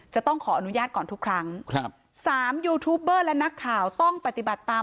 จะต้องขออนุญาตก่อนทุกครั้งครับสามยูทูปเบอร์และนักข่าวต้องปฏิบัติตาม